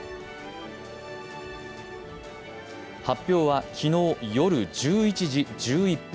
発表は昨日夜１１時１１分。